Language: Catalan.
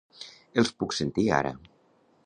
Els puc sentir ara.